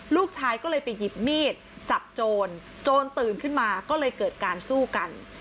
ลูกชายก็เลยไปหยิบมีดจับโจรโจรตื่นขึ้นมาก็เลยเกิดการสู้กัน